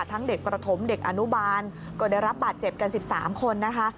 เด็กประถมเด็กอนุบาลก็ได้รับบาดเจ็บกัน๑๓คนนะคะ